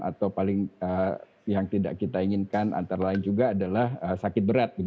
atau paling yang tidak kita inginkan antara lain juga adalah sakit berat